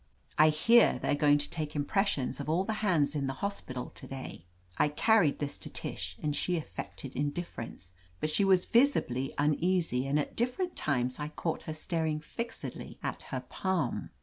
"I hear they are going to 149 '\ THE AMAZING ADVENTURES take impressions of all the hands in the hos pital to day !" I carried this to Tish, and she affected indif ference. But she was visibly uneasy and at different times I caught her staring fixedly at her palm.